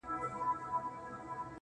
گرانه په دغه سي حشر كي جــادو.